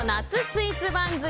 スイーツ番付。